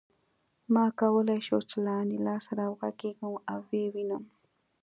ما کولای شول چې له انیلا سره وغږېږم او ویې وینم